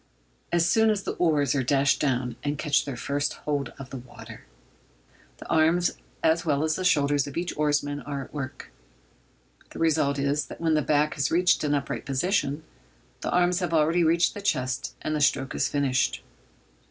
As soon as the oars are dashed down and catch their first hold of the water, the arms as well as the shoulders of each oarsman are at work. The result is, that when the back has reached an upright position, the arms have already reached the chest, and the stroke is finished.